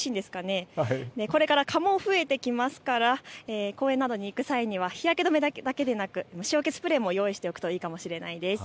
これから蚊も増えてきますから公園などに行く際には日焼け止めだけではなくて虫よけスプレーも用意しておくといいかもしれません。